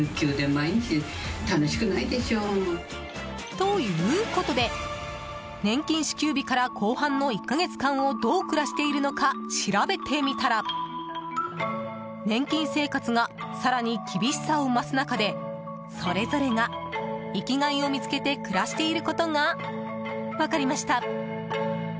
ということで年金支給日から後半の１か月間をどう暮らしているのか調べてみたら年金生活が更に厳しさを増す中でそれぞれが生きがいを見つけて暮らしていることが分かりました。